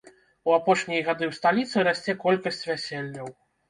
У апошнія гады ў сталіцы расце колькасць вяселляў.